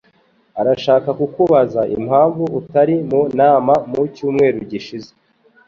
arashaka kukubaza impamvu utari mu nama mu cyumweru gishize.